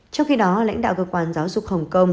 trong khi đó lãnh đạo cơ quan giáo dục hồng kông